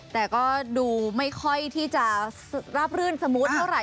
แต่ก็ดูไม่ค่อยที่จะราบรื่นสมูทเท่าไห